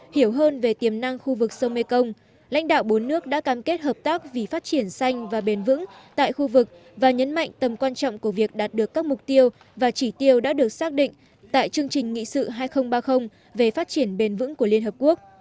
hiểu hơn về tiềm năng khu vực sông mekong lãnh đạo bốn nước đã cam kết hợp tác vì phát triển xanh và bền vững tại khu vực và nhấn mạnh tầm quan trọng của việc đạt được các mục tiêu và chỉ tiêu đã được xác định tại chương trình nghị sự hai nghìn ba mươi về phát triển bền vững của liên hợp quốc